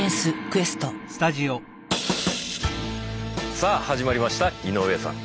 さあ始まりました井上さん